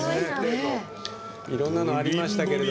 いろんなのがありましたけど。